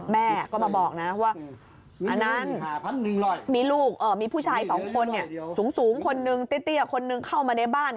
แม่ก็มาบอกนะว่าอนันต์มีลูกมีผู้ชายสองคนสูงคนนึงเตี้ยคนนึงเข้ามาในบ้าน